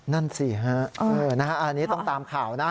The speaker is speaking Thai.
นั่นสิฮะอันนี้ต้องตามข่าวนะ